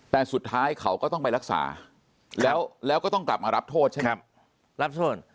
แต่สุดท้ายเขาก็ต้องไปรักษาแล้วก็ต้องกลับมารับโทษใช่ไหมครับรับโทษ